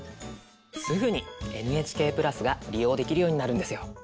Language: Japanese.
すぐにＮＨＫ＋が利用できるようになるんですよ。